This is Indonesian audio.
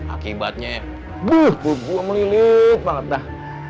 akibatnya buh perut gue melilit banget dah